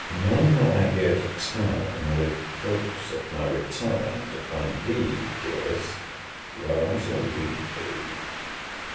And now may I go to town with hopes at my return to find thee, dearest, where I shall leave thee.